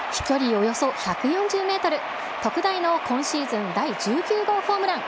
およそ１４０メートル、特大の今シーズン第１９号ホームラン。